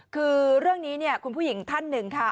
คือเรื่องนี้เนี่ยคุณผู้หญิงท่านหนึ่งค่ะ